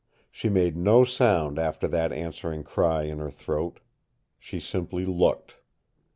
She made no sound after that answering cry in her throat. She simply looked.